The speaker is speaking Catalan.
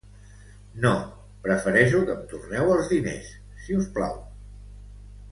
No, prefereixo que em torneu els diners, si us plau.